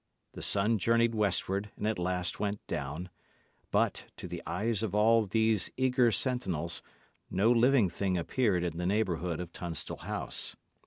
The sun journeyed westward, and at last went down; but, to the eyes of all these eager sentinels, no living thing appeared in the neighbourhood of Tunstall House.